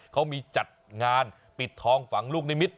เขามีจัดงานปิดทองฝังลูกนิมิตร